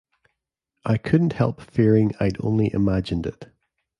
I couldn’t help fearing I’d only imagined it.